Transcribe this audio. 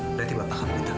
berarti bapak kamu gendang